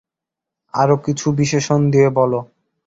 আরো কিছু বিশেষণ দিয়ে বল।